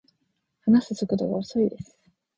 話す速度が遅いです